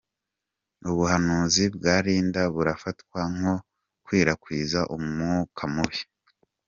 Ubuhanuzi bwa Linda burafatwa nko gukwirakwiza umwuka mubi.